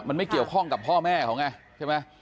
มันไม่เกี่ยวข้องกับพ่อแม่เขาไงใช่ไหม